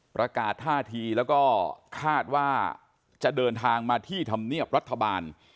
ประกาศท่าทีแล้วก็คาดว่าจะเดินทางมาที่ธรรมเนียบรัฐบาล